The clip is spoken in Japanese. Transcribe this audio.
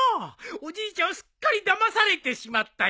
おじいちゃんすっかりだまされてしまったよ。